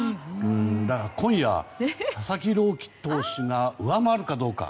だから今夜、佐々木朗希投手が上回るかどうか。